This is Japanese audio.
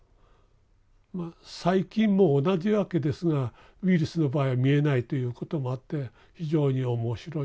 まあ細菌も同じわけですがウイルスの場合は見えないということもあって非常に面白い。